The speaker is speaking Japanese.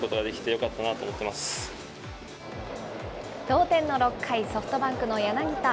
同点の６回、ソフトバンクの柳田。